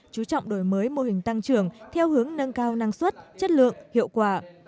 chú trọng đổi mới mô hình tăng trưởng theo hướng nâng cao năng suất chất lượng hiệu quả